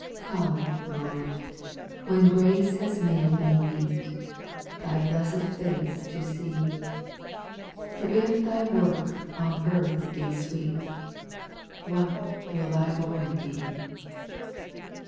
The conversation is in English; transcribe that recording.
4. Come, Lord, when grace has made me meet Thy blessed face to see ; For if Thy work on earth be sweet, What will Thy glory be